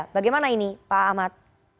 bagaimana ini pak ahmad